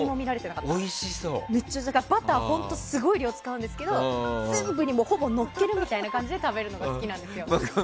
だからバターすごい量を使うんですけど全部にほぼのっけるみたいな感じで食べるのが好きなんです。